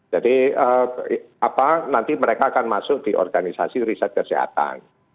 jadi apa nanti mereka akan masuk di organisasi riset kesehatan